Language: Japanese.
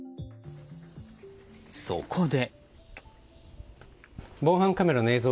そこで。